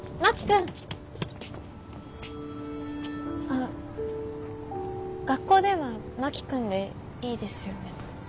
あ学校では真木君でいいですよね？